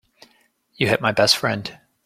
You hit my best friend.